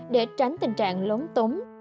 để tránh tình trạng lống túng